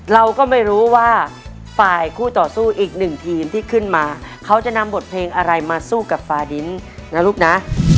เราก็ไม่รู้ว่าฝ่ายคู่ต่อสู้อีกหนึ่งทีมที่ขึ้นมาเขาจะนำบทเพลงอะไรมาสู้กับฟาดินนะลูกนะ